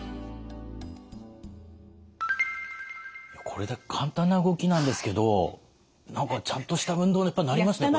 これだけ簡単な動きなんですけど何かちゃんとした運動になりますね。